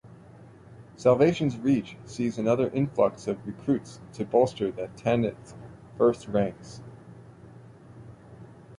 "Salvation's Reach" sees another influx of recruits to bolster the Tanith First's ranks.